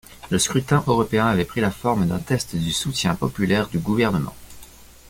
Le scrutin européen avait pris la forme d'un test du soutien populaire du gouvernement.